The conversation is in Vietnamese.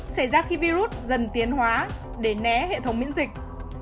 xảy ra khi virus dần tiến hóa để né hệ thống miễn dịch